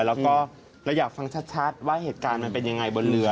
แล้วก็เราอยากฟังชัดว่าเหตุการณ์มันเป็นยังไงบนเรือ